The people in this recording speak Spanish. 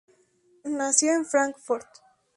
Nació en Fráncfort.